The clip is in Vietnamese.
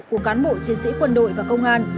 của cán bộ chiến sĩ quân đội và công an